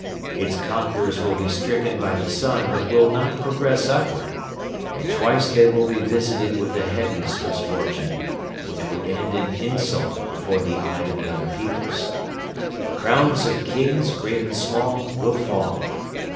Its conquerors will be stricken by the sun but will not progress upward and twice they will be visited with the heaviest misfortune, which will end in insult before the eye of the other peoples. The crowns of kings, great and small, will fall